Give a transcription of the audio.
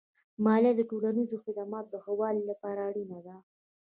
مالیه د ټولنیزو خدماتو د ښه والي لپاره اړینه ده.